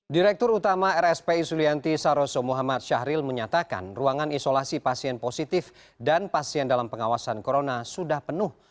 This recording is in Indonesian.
direktur utama rspi sulianti saroso muhammad syahril menyatakan ruangan isolasi pasien positif dan pasien dalam pengawasan corona sudah penuh